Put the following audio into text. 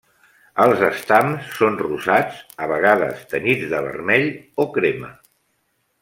Els estams són rosats, a vegades tenyits de vermell o crema.